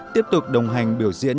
tiếp tục đồng hành biểu diễn